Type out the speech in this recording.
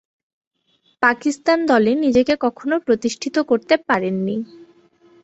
পাকিস্তান দলে নিজেকে কখনো প্রতিষ্ঠিত করতে পারেননি।